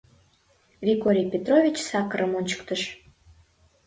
— Григорий Петрович Сакарым ончыктыш.